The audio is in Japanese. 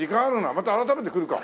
また改めて来るか。